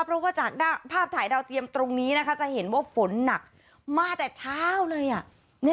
เพราะว่าจากภาพถ่ายดาวเทียมตรงนี้นะคะจะเห็นว่าฝนหนักมาแต่เช้าเลย